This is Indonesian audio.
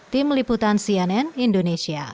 tim liputan cnn indonesia